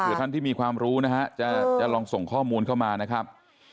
เผื่อท่านที่มีความรู้จะลองส่งข้อมูลมานะครับ